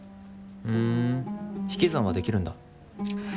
ふん引き算はできるんだ。